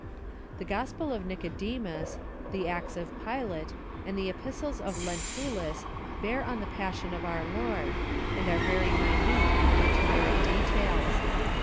The Gospel of Nicode mus, the Acts of Pilate, and the Epistles of Lentulus bear on the Passion of our Lord, and are very minute in legendary details.